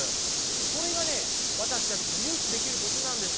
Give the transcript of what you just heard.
それがね私たちの唯一できることなんですよ。